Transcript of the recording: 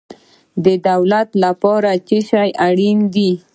د دولت لپاره څه شی اړین دی؟